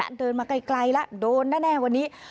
เห็นแล้วเดินมาไกลแล้วโดนได้แน่วันนี้